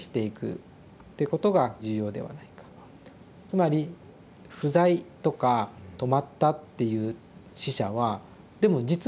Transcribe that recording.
つまり不在とか止まったっていう死者はでも実は生き続ける。